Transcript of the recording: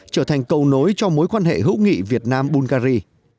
trở thành cầu nối cho mối quan hệ hữu nghị việt nam bungary